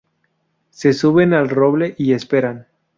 Se suben al roble y esperan.